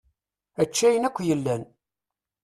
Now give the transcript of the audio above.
Ečč ayen akk yellan.